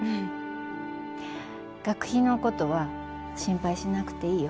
学費の事は心配しなくていいよ。